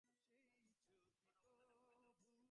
কখনো অবসাদে ভুগেছো?